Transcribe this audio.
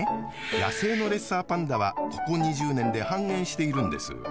野生のレッサーパンダはここ２０年で半減しているんです。